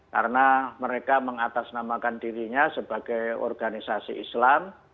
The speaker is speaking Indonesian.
karena mereka mengatasnamakan dirinya sebagai organisasi islam